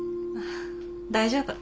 大丈夫。